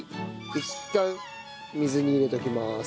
いったん水に入れておきます。